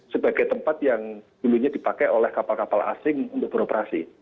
sebagai tempat yang dulunya dipakai oleh kapal kapal asing untuk beroperasi